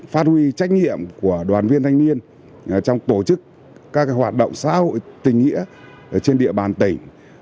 phát huy trách nhiệm của đoàn viên thanh niên trong tổ chức các hoạt động xã hội tình nghĩa trên địa bàn tỉnh